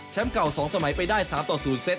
เก่า๒สมัยไปได้๓ต่อ๐เซต